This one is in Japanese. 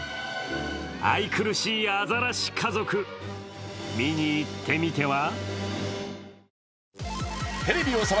愛くるしいあざらし家族、見にいってみては？